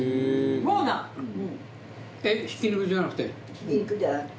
ひき肉じゃなくて。